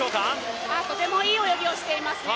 とてもいい泳ぎをしていますね。